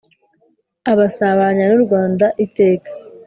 Abasabanya n'u Rwanda iteka